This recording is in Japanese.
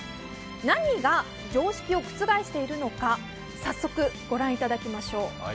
何が常識を覆しているのか、早速御覧いただきましょう。